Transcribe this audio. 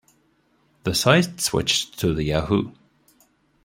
The site switched to the Yahoo!